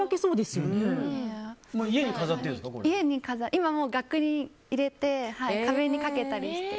今額に入れて壁にかけたりして。